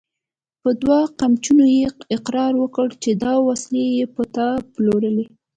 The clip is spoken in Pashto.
په دوو قمچينو يې اقرار وکړ چې دا وسلې يې پر تا پلورلې!